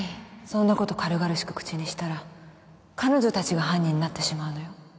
そんなこと軽々しく口にしたら彼女たちが犯人になってしまうのよ